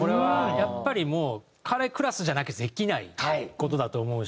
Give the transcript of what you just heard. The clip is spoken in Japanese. やっぱりもう彼クラスじゃなきゃできない事だと思うし。